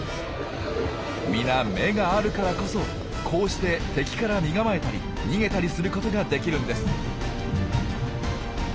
みな眼があるからこそこうして敵から身構えたり逃げたりすることができるんです。